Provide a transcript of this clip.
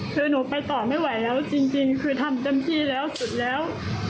คือหนูไปต่อไม่ไหวแล้วจริงคือทำเต็มที่แล้วสุดแล้ว